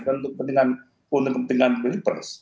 bukan untuk kepentingan pemerintah